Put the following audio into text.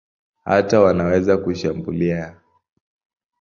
Hata wanaweza kushambulia.